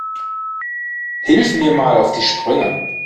Hilf mir mal auf die Sprünge.